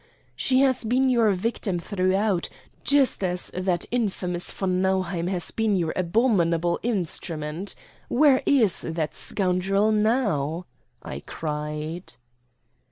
She has been your victim throughout, just as that infamous von Nauheim has been your abominable instrument. Where is that scoundrel now?" I cried.